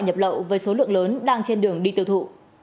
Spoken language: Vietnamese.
nhập lậu với số lượng lớn đang trên đường đi tiêu thụ